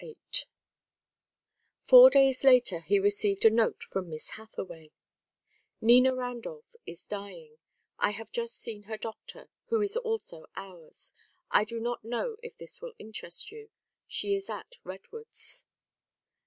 VIII Four days later he received a note from Miss Hathaway: "Nina Randolph is dying; I have just seen her doctor, who is also ours. I do not know if this will interest you. She is at Redwoods."